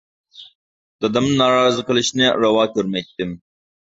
دادامنى نارازى قىلىشنى راۋا كۆرمەيتتىم.